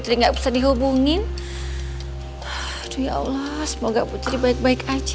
jadi nggak bisa dihubungin ya allah semoga putri baik baik aja